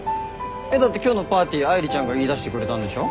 だって今日のパーティー愛梨ちゃんが言いだしてくれたんでしょ？